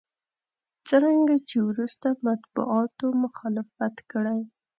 څرنګه چې وروسته مطبوعاتو مخالفت کړی.